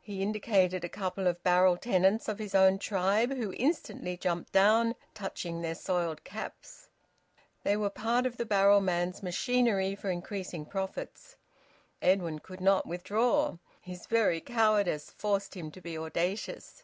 He indicated a couple of barrel tenants of his own tribe, who instantly jumped down, touching their soiled caps. They were part of the barrel man's machinery for increasing profits. Edwin could not withdraw. His very cowardice forced him to be audacious.